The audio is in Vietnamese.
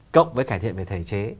cộng với cải thiện về thể chế